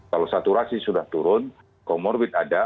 kalau saturasi sudah turun comorbid ada